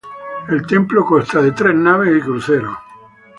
El templo consta de tres naves y crucero.